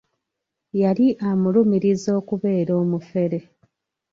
Yali amulumiriza okubeera omufere.